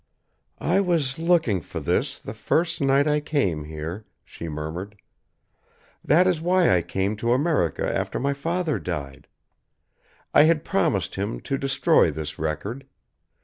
"I was looking for this, the first night I came here," she murmured. "That is why I came to America after my father died. I had promised him to destroy this record.